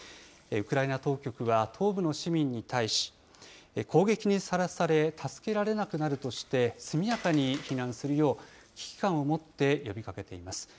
ウクライナ当局は東部の市民に対し、攻撃にさらされ、助けられなくなるとして、速やかに避難するよう、危機感を持って呼びかけています。